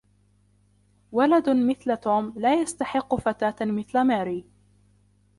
ولد مثل توم لا يستحق فتاة مثل ماري.